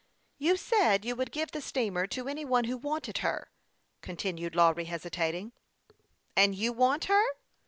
" You said you would give the steamer to any one who wanted her," continued Lawry, hesitating. " And you want her